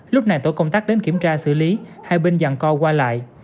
lúc này tổ công tác đến kiểm tra xử lý hai bên dàn co qua lại